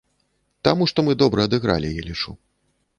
Таму што мы добра адыгралі, я лічу.